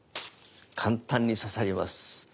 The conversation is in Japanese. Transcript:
簡単に刺さります。